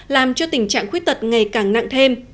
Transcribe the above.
làm cho tình trạng khuyết tật ngày càng nặng thêm